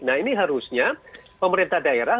nah ini harusnya pemerintah daerah